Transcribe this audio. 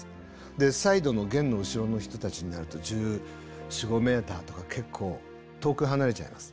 でサイドの弦の後ろの人たちになると１４１５メーターとか結構遠く離れちゃいます。